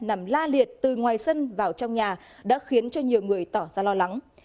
nằm la liệt từ ngoài sân vào trong nhà đã khiến cho nhiều người tỏ ra lo lắng